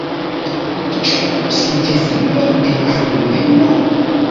Ĉu sintezilo de albumeno?